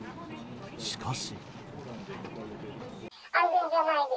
しかし。